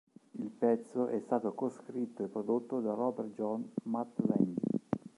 Il pezzo è stato coscritto e prodotto da Robert John "Mutt" Lange.